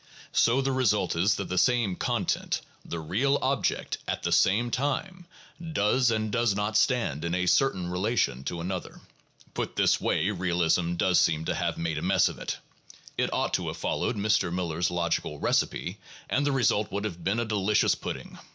So the result is that the same content [the real object], at the same time, does and does not stand in a certain relation to another." * Put this way realism does seem to have made a mess of it. It ought to have followed Mr. Miller's logical recipe, and the result would have been a delicious pudding.